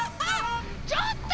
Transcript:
ちょっと！